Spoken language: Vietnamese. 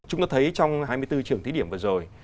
chúng ta thấy trong hai mươi bốn trường thí điểm vừa rồi